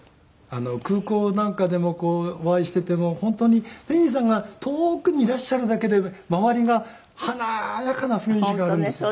空港なんかでもこうお会いしていても本当にペギーさんが遠くにいらっしゃるだけで周りが華やかな雰囲気があるんですよ。